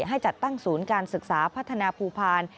ให้จัดตั้งศูนย์การศึกษาพัฒนาภูพาล